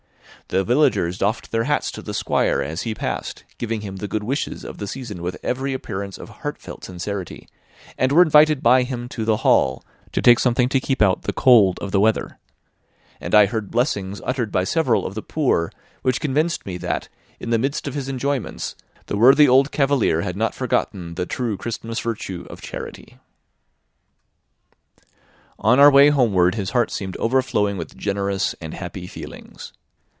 The villagers doffed their hats to the Squire as he passed, giving him the good wishes of the season with every appearance of heartfelt sincerity, and were invited by him to the Hall, to take something to keep out the cold of the weather; and I heard blessings uttered by several of the poor, which convinced me that, in the midst of his enjoyments, the worthy old cavalier had not forgotten the true Christmas virtue of charity. * "Ule! Ule! Three puddings in a pule; Crack nuts and cry ule!" On our way homeward his heart seemed overflowing with generous and happy feelings.